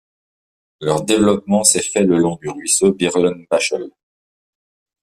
Leur développement s'est fait le long du ruisseau Birlenbæchel.